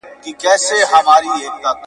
د افغانستان د فرهنګ !.